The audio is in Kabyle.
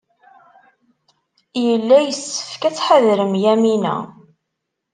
Yella yessefk ad tḥadrem Yamina.